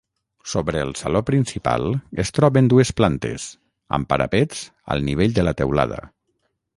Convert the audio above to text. Sobre el saló principal es troben dues plantes, amb parapets al nivell de la teulada.